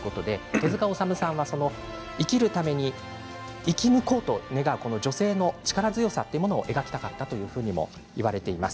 手塚治虫さんは生き抜こうと願う女性の力強さを描きたかったともいわれています。